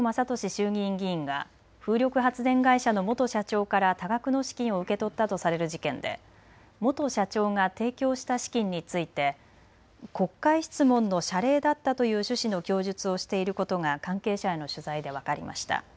衆議院議員が風力発電会社の元社長から多額の資金を受け取ったとされる事件で元社長が提供した資金について国会質問の謝礼だったという趣旨の供述をしていることが関係者への取材で分かりました。